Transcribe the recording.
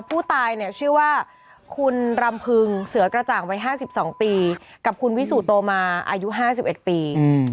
ผู้ตายเนี่ยชื่อว่าคุณรำพึงเสือกระจ่างวัย๕๒ปีกับคุณวิสุโตมาอายุ๕๑ปี